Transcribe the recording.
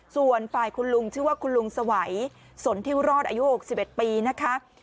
ส่วนฝ่ายคุณลุงชื่อว่าคุณลุงสวัยสนทิวรอดอายุ๖๑ปีนะคะ